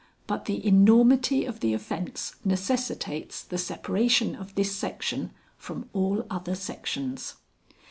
But the enormity of the offence necessitates the separation of this section from all other sections.